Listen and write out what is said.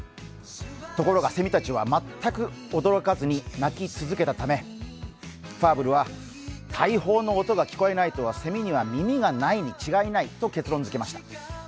ところがセミたちは全く驚かずに鳴き続けたため、ファーブルは大砲の音が聞こえないとはセミには耳がないと結論づけました。